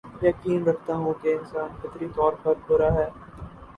یقین رکھتا ہوں کے انسان فطری طور پر برا ہے